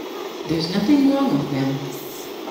There's nothing wrong with them.